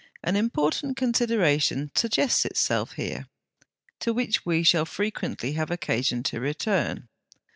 An important consideration suggests itself here, to which we shall frequently have occasion to return.